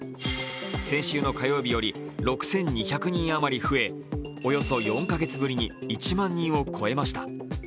先週の火曜日より６２００人余り増えおよそ４カ月ぶりに１万人を超えました。